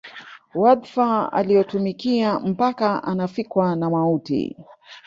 Wadhifa alioutumikia mpaka anafikwa na mauti